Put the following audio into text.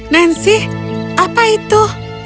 nancy apa itu